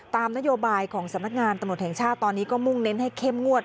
ตามนโยบายของสำนักงานตำรวจแห่งชาติตอนนี้ก็มุ่งเน้นให้เข้มงวด